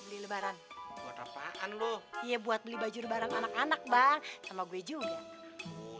beli lebaran buat apaan loh iya buat beli baju lebaran anak anak bang sama gue juga